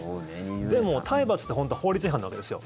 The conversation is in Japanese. でも、体罰って本当は法律違反なわけですよ。